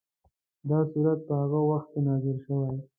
دا سورت په هغه وخت کې نازل شوی.